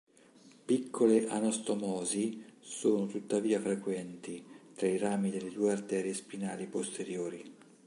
Piccole anastomosi sono tuttavia frequenti tra i rami delle due arterie spinali posteriori.